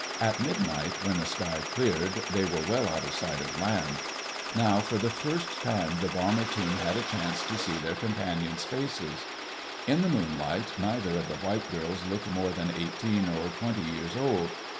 At midnight, when the sky cleared, they were well out of sight of land. Now for the first time the bomber team had a chance to see their companions' faces. In the moonlight neither of the white girls looked more than eighteen or twenty years old.